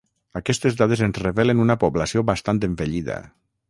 Aquestes dades ens revelen una població bastant envellida.